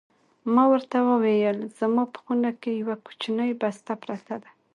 ما ورته وویل: زما په خونه کې یوه کوچنۍ بسته پرته ده.